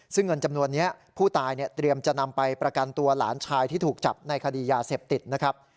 ซึ่งเงินจำนวนนี้ผู้ตายเนี่ยเตรียมจะนำไปประกันตัวหลานชายที่ถูกจับในคดียาเสพติดนะครับ